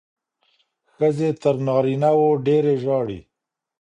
ښځې تر نارینه وو ډېرې ژاړي.